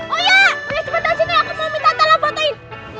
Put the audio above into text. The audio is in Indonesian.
oh ya ayo cepetan sini aku mau minta tanda fotoin